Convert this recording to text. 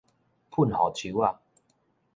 噴雨鬚仔